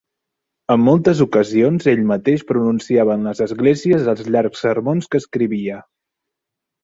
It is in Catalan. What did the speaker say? En moltes ocasions ell mateix pronunciava en les esglésies els llargs sermons que escrivia.